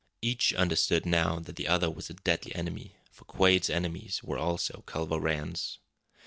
Each understood now that the other was a deadly enemy, for Quade's enemies were also Culver Rann's.